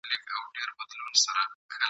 نور زلمي به وي راغلي د زاړه ساقي تر کلي !.